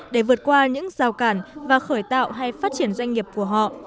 để vượt qua những rào cản và khởi tạo hay phát triển doanh nghiệp của họ